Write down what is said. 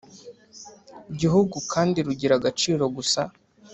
Gihugu kandi rugira agaciro gusa